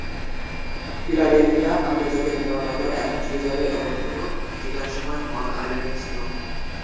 Philadelphia আন্তর্জাতিক বিমানবন্দর এখন সেই জায়গায় অবস্থিত, যেটা একসময় হগ আইল্যান্ড ছিল।